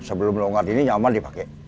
sebelum longgar ini nyaman dipakai